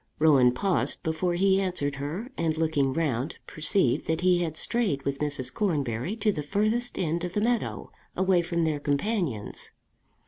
Rowan paused before he answered her, and looking round perceived that he had strayed with Mrs. Cornbury to the furthest end of the meadow, away from their companions.